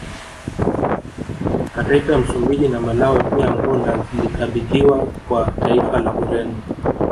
Mataifa ya Msumbiji na Malawi pia Angola zilikabidhiwa kwa taifa la Ureno